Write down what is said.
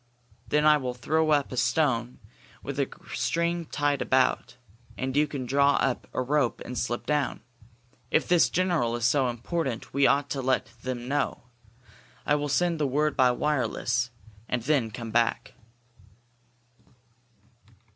Then I will throw up a stone with a string tied about, and you can draw up a rope and slip down. If this general is so important we ought to let them know. I will send the word by wireless and then come back."